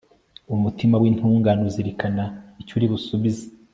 umutima w'intungane uzirikana icyo uri busubize